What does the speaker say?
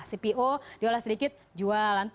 cpo diolah sedikit jual